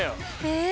え